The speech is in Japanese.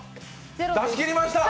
出し切りました！